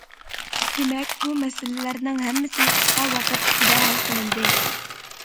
دېمەك، بۇ مەسىلىلەرنىڭ ھەممىسى قىسقا ۋاقىت ئىچىدە ھەل قىلىندى.